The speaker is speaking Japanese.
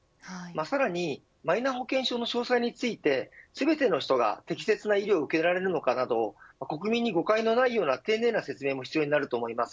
さらにマイナ保険証の詳細について全ての人が適切な医療を受けられるのかなど国民に誤解のないような丁寧な説明も必要です。